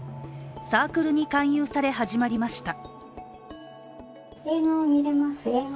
サークルに勧誘され始まりました。